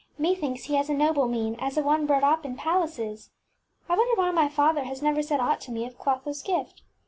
ŌĆśMethinks he has a noble mien, as of one brought up in pal aces. I wonder why my father has never said aught to me of ClothoŌĆÖs gift.